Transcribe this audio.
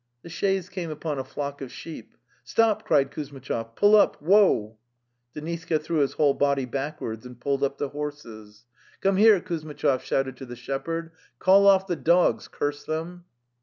The chaise came upon a flock of sheep. " Stop!" cried Kuzmitchov. ' Pull up! Woa!" Deniska threw his whole body backwards and pulled up the horses. The Steppe 173 "Come here!' Kuzmitchov shouted to the shep herd. '' Call off the dogs, curse them!